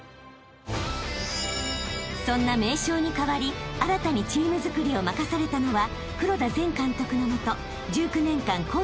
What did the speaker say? ［そんな名将に代わり新たにチームづくりを任されたのは］